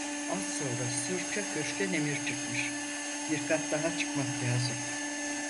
Az sonra sırça köşkten emir çıkmış: "Bir kat daha çıkmak lazım."